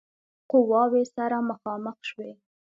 قواوې سره مخامخ شوې.